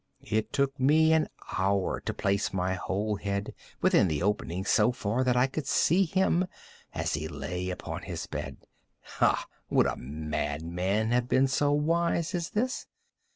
It took me an hour to place my whole head within the opening so far that I could see him as he lay upon his bed. Ha!—would a madman have been so wise as this?